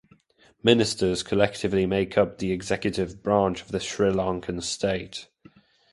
Ministers collectively make up the executive branch of the Sri Lankan state.